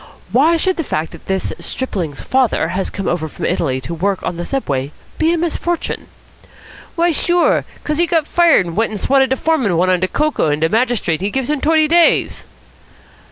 Why should the fact that this stripling's father has come over from Italy to work on the Subway be a misfortune?" "Why, sure, because he got fired an' went an' swatted de foreman one on de coco, an' de magistrate gives him t'oity days."